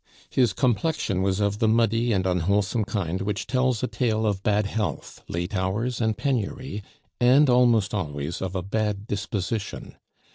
His complexion was of the muddy and unwholesome kind which tells a tale of bad health, late hours and penury, and almost always of a bad disposition.